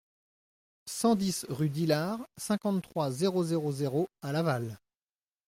cent dix rue d'Hilard, cinquante-trois, zéro zéro zéro à Laval